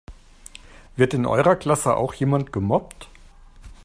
Wird in eurer Klasse auch jemand gemobbt?